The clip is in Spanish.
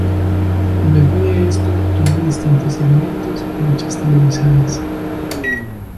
Luego de esto tuvo distintos segmentos y luchas televisadas.